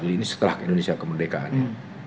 ini setelah indonesia kemerdekaannya